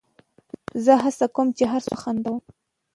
زه هڅه کوم، چي هر څوک وخندوم.